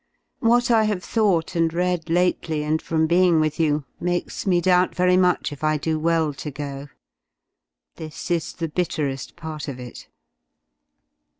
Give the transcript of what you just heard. What I have thought and read lately and from being with you, makes me doubt very much if I do well to go. This is the bittere^ part of it.